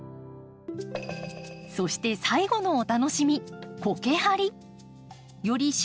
そして最後のお楽しみコケ張り。